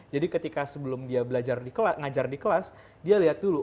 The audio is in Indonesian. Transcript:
jadi ketika sebelum dia belajar di kelas dia lihat dulu